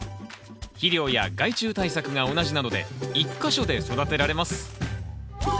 肥料や害虫対策が同じなので１か所で育てられます。